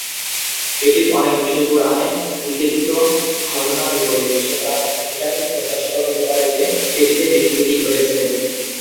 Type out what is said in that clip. এটির অনেক বিষয় কুরআনে উল্লেখিত ঘটনার বিপরীত, সুতরাং এটা খুব প্রত্যাশিত হতে পারে যে, এটিতে বিকৃতি ঘটেছে।